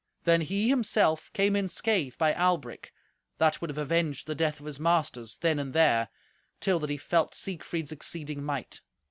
Then he, himself, came in scathe by Albric, that would have avenged the death of his masters then and there, till that he felt Siegfried's exceeding might.